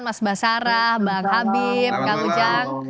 mas basarah bang habib kang ujang